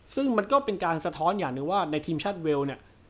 ซึ่งมันก็เป็นการสะท้อนอย่างหนึ่งว่าในทีมชาติเวลเนี่ย